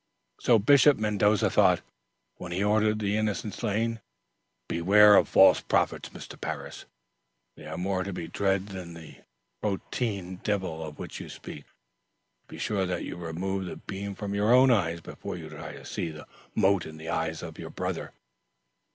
"So Bishop Mendoza thought, when he ordered the innocent slain. Beware of false prophets, Mr. Parris. They are more to be dreaded than the protean devil of which you speak. Be sure that you remove the beam from your own eye, before you try to see the mote in the eye of your brother."